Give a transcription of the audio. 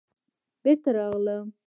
بېرته راغلم.